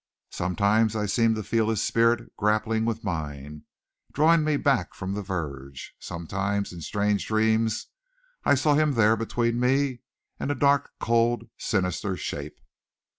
Sometimes I seemed to feel his spirit grappling with mine, drawing me back from the verge. Sometimes, in strange dreams, I saw him there between me and a dark, cold, sinister shape.